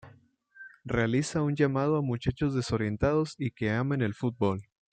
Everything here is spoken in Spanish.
Realiza un llamado a muchachos desorientados y que amen el fútbol.